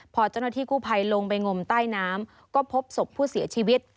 พอเจ้าหน้าที่กู้ภัยลงไปงมใต้น้ำก็พบศพผู้เสียชีวิต